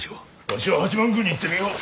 わしは八幡宮に行ってみよう。